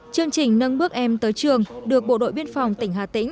chương trình nâng bước em tới trường được bộ đội biên phòng tỉnh hà tĩnh